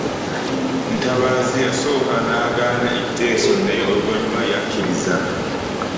Ntabaazi yasooka n'agaana ekiteeso naye oluvannyuma yakkiriza.